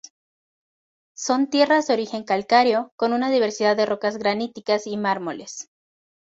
Son tierras de origen calcáreo, con una diversidad de rocas graníticas y mármoles.